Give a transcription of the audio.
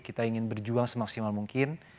kita ingin berjuang semaksimal mungkin